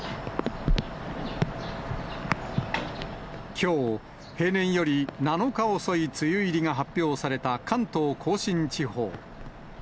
きょう、平年より７日遅い梅雨入りが発表された関東甲信地方。